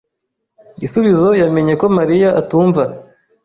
Gisubizo yamenye ko Mariya atumva.